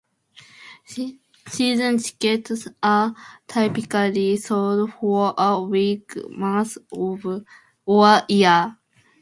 Season tickets are typically sold for a week, month or year.